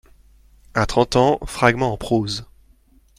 A trente ans, fragment en prose.